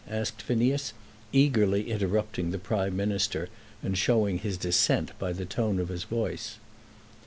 asked Phineas, eagerly interrupting the Prime Minister, and showing his dissent by the tone of his voice.